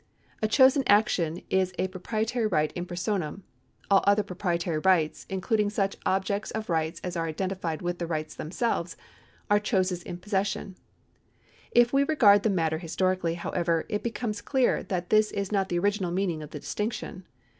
A chose in action is a pi'oprietary right in personam. All other proprietary rights (including such objects of rights as are identified with the rights themselves) are choses in possession. If we regard tlie matter historically, however, it becomes clear that this is not the original meaning of the distinction.